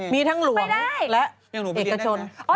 มันหลายหลักสูตร